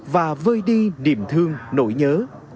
và vơi đi điểm thương nổi nhớ